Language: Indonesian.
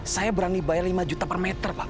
saya berani bayar lima juta per meter pak